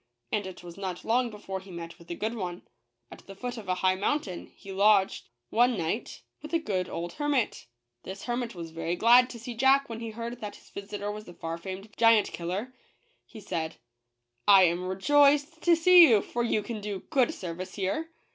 And it was not long before he met with a good one. At the foot of a high mountain, he lodged, one night, with a good old 181 JACK THE GIANT KILLER. hermit. This hermit was very glad to see Jack when he heard that his visitor was the far famed Giant Killer; he said "I am rejoiced to see you, for you can do good ser vice here.